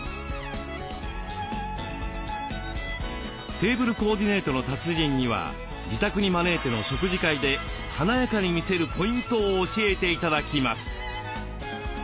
テーブルコーディネートの達人には自宅に招いての食事会で華やかに見せるポイントを教えて頂きます。